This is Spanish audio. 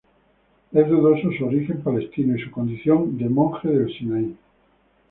Es dudoso su origen palestino y su condición de monje de Sinaí.